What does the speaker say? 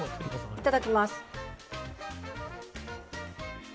いただきます。